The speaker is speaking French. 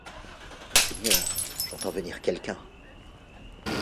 Monseigneur, j’entends venir quelqu’un.